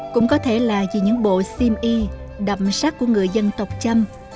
cũng có thể là vì những bộ xim y đậm sắc của người dân tộc châm